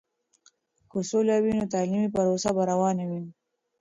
که سوله وي، نو تعلیمي پروسه به روانه وي.